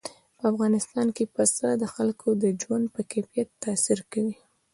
په افغانستان کې پسه د خلکو د ژوند په کیفیت تاثیر کوي.